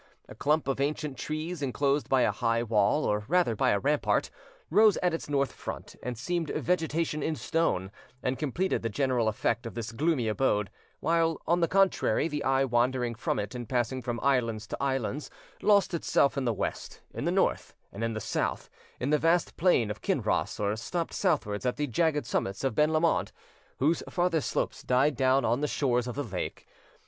A clump of ancient trees enclosed by a high wall, or rather by a rampart, rose at its north front, and seemed vegetation in stone, and completed the general effect of this gloomy abode, while, on the contrary, the eye wandering from it and passing from islands to islands, lost itself in the west, in the north, and in the south, in the vast plain of Kinross, or stopped southwards at the jagged summits of Ben Lomond, whose farthest slopes died down on the shores of the lake.